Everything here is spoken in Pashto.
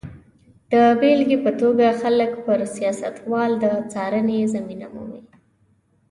د بېلګې په توګه خلک پر سیاستوالو د څارنې زمینه مومي.